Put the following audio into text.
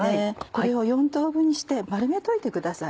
これを４等分にして丸めといてください。